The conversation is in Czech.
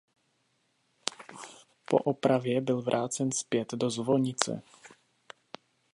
Po opravě byl vrácen zpět do zvonice.